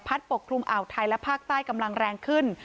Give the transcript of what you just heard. ปกคลุมอ่าวไทยและภาคใต้กำลังแรงขึ้น